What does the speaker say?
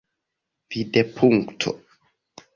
vidpunkto